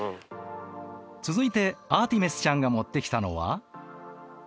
続いてアーティメスちゃんが持ってきたのは。